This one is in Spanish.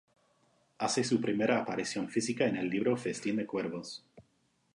Hace su primera aparición física en el libro "Festín de cuervos".